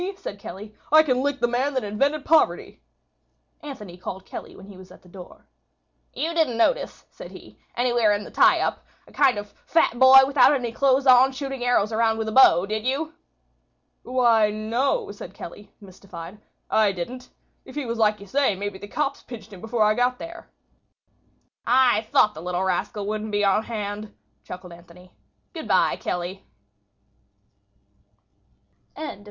said Kelly. "I can lick the man that invented poverty." Anthony called Kelly when he was at the door. "You didn't notice," said he, "anywhere in the tie up, a kind of a fat boy without any clothes on shooting arrows around with a bow, did you?" "Why, no," said Kelly, mystified. "I didn't. If he was like you say, maybe the cops pinched him before I got there." "I thought the little rascal wouldn't be on hand," chuckled Anthony. "Good by, Kelly." SPRINGTIME À LA CARTE It was a day in March.